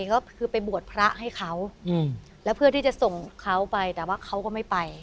ก็คือไปบวชพระให้เขาแล้วเพื่อที่จะส่งเขาไปแต่ว่าเขาก็ไม่ไป